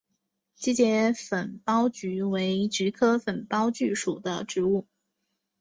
基节粉苞菊为菊科粉苞苣属的植物。